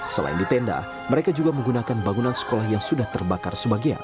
selain di tenda mereka juga menggunakan bangunan sekolah yang sudah terbakar sebagian